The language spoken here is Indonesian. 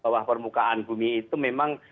bawah permukaan bumi itu memang